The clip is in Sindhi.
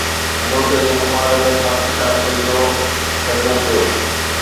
ملڪ جي مفاد ۾ پاڪستان کي ڇو ڇڏڻو پيو؟